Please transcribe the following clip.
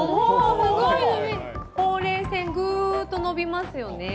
ほうれい線ぐっと伸びますよね。